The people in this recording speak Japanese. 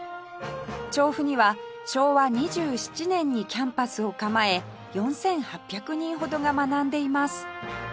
調布には昭和２７年にキャンパスを構え４８００人ほどが学んでいます